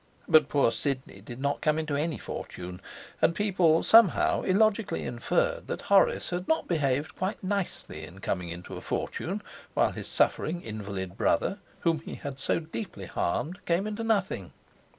But poor Sidney did not come into any fortune, and people somehow illogically inferred that Horace had not behaved quite nicely in coming into a fortune while his suffering invalid brother, whom he had so deeply harmed, came into nothing.